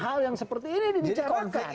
hal yang seperti ini dibicarakan